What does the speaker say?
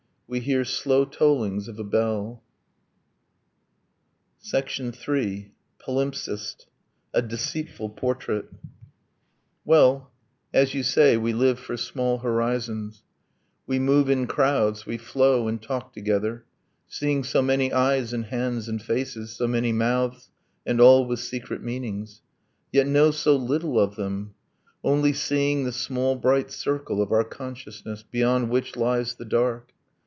We hear slow tollings of a bell. III. PALIMPSEST: A DECEITFUL PORTRAIT Well, as you say, we live for small horizons: We move in crowds, we flow and talk together, Seeing so many eyes and hands and faces, So many mouths, and all with secret meanings, Yet know so little of them; only seeing The small bright circle of our consciousness, Beyond which lies the dark.